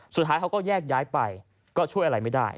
สุดท้ายเขาก็แยกย้ายไปก็ช่วยอะไรไม่ได้